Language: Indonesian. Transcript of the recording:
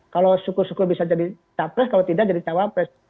kalau syukur syukur bisa jadi capres kalau tidak jadi cawapres